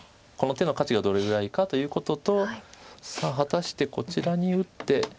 この手の価値がどれぐらいかということとさあ果たしてこちらに打って。